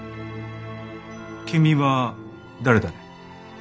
君は誰だね？